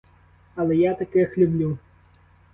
Але я таких люблю.